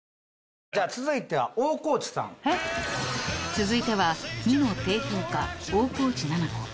［続いては２の低評価大河内奈々子］